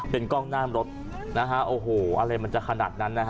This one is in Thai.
เป็นกล้องหน้ารถโอ้โหอะไรมันจะขนาดนั้น